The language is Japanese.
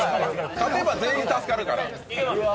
勝てば全員助かるから。